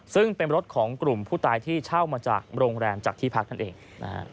ซึ่งเป็นรถของกลุ่มผู้ตายที่เช่ามาจากโรงแรมจากที่พักนั่นเองนะฮะ